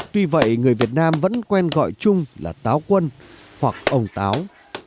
tuy vậy người việt nam vẫn quen gọi chung là táo quân hoặc ồng táo